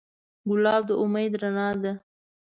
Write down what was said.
ګلاب د امید رڼا ده.